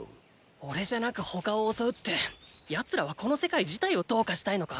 おれじゃなく他を襲うって奴らはこの世界自体をどうかしたいのか？